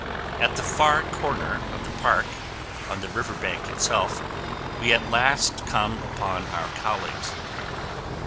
At the far corner of the park, on the river bank itself, we at last come upon our colleagues.